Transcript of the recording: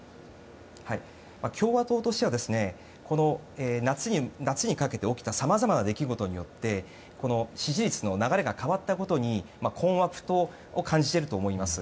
共和党としてはこの夏にかけて起きたさまざまな出来事によって支持率の流れが変わったことに困惑を感じていると思います。